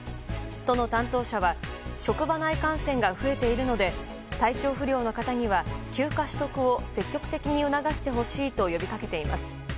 都の担当者は職場内感染が増えているので体調不良の方には休暇取得を積極的に促してほしいと呼びかけています。